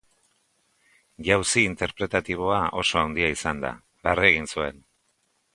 Jauzi interpretatiboa oso handia izan da. Barre egin zuen.